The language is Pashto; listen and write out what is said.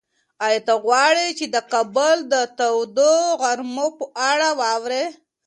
ایا ته غواړې چې د کابل د تودو غرمو په اړه واورې؟